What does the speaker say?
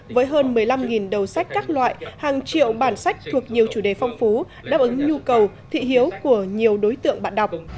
với hơn một mươi năm đầu sách các loại hàng triệu bản sách thuộc nhiều chủ đề phong phú đáp ứng nhu cầu thị hiếu của nhiều đối tượng bạn đọc